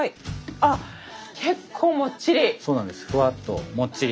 あ結構もっちり。